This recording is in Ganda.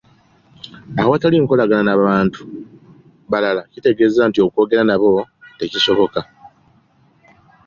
Awatali nkolagana n'abantu balala kitegeeaza nti okwogera nabo tekisoboka.